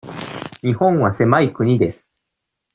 日本は狭い国です。